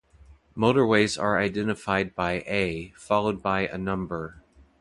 Motorways are identified by A followed by a number.